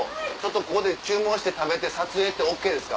ここで注文して食べて撮影ってＯＫですか？